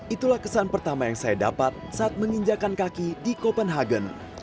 itulah kesan pertama yang saya dapat saat menginjakan kaki di copenhagen